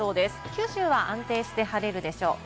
九州は安定して晴れるでしょう。